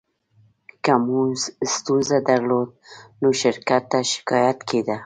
که موټر ستونزه درلوده، نو شرکت ته شکایت کېده.